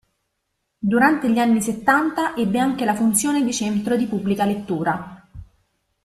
Durante gli anni settanta ebbe anche la funzione di centro di pubblica lettura.